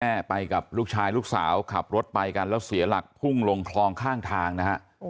แม่ไปกับลูกชายลูกสาวขับรถไปกันแล้วเสียหลักพุ่งลงคลองข้างทางนะฮะ